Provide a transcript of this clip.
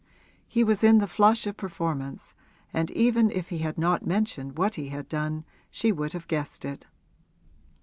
He was in the flush of performance; and even if he had not mentioned what he had done she would have guessed it.